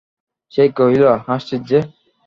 সে কহিল, হাসছিস যে!